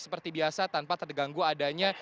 seperti biasa tanpa terganggu adanya